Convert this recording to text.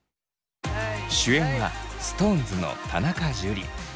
主演はＳｉｘＴＯＮＥＳの田中樹。